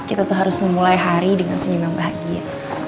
kita tuh harus memulai hari dengan senyuman bahagia